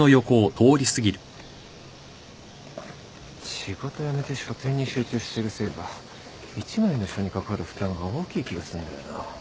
仕事やめて書展に集中してるせいか１枚の書にかかる負担が大きい気がすんだよな。